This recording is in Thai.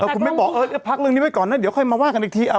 คุณไม่บอกพักเรื่องนี้ไว้ก่อนค่อยมาว่ากันอีกที